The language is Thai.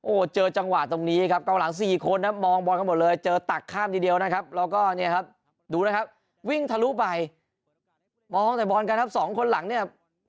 โอ้โหเจอจังหวะตรงนี้ครับเกาหลัง๔คนครับมองบอลกันหมดเลยเจอตักข้ามทีเดียวนะครับแล้วก็เนี่ยครับดูนะครับวิ่งทะลุไปมองแต่บอลกันครับสองคนหลังเนี่ย